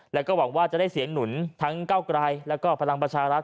แล้วก็หวังว่าจะได้เสียงหนุนทั้งเก้าไกลแล้วก็พลังประชารัฐ